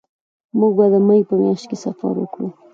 مونږ به د مې په میاشت کې سفر وکړو